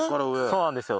そうなんですよ。